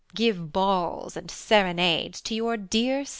Give balls and serenades to your dear selves.